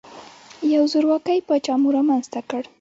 یو زورواکۍ پاچا مو رامنځته کړ.